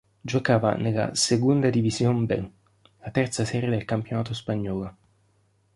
Giocava nella "Segunda División B", la terza serie del campionato spagnolo.